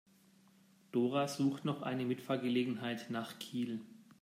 Dora sucht noch eine Mitfahrgelegenheit nach Kiel.